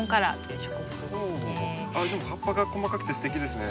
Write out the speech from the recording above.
でも葉っぱが細かくてすてきですね。